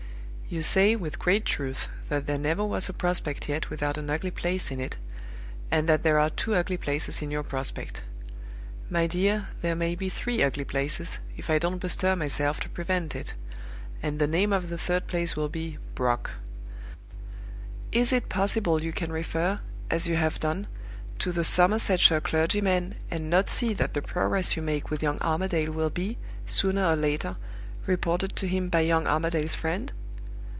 "You say, with great truth, that there never was a prospect yet without an ugly place in it, and that there are two ugly places in your prospect. My dear, there may be three ugly places, if I don't bestir myself to prevent it; and the name of the third place will be Brock! Is it possible you can refer, as you have done, to the Somersetshire clergyman, and not see that the progress you make with young Armadale will be, sooner or later, reported to him by young Armadale's friend?